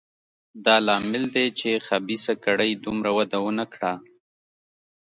دا لامل دی چې خبیثه کړۍ دومره وده ونه کړه.